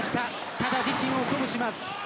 ただ自身を鼓舞します。